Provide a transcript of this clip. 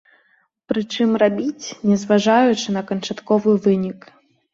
Прычым, рабіць, не зважаючы на канчатковы вынік.